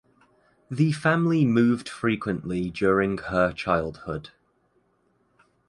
The family moved frequently during her childhood.